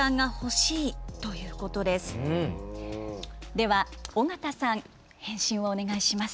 では、尾形さん返信をお願いします。